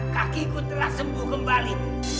kaki ku telah sembuh kembali